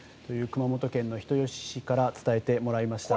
熊本県人吉市から伝えてもらいました。